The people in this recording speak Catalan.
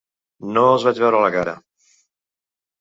No els vaig veure la cara.